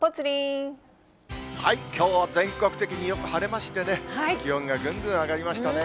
きょうは全国的によく晴れましてね、気温がぐんぐん上がりましたね。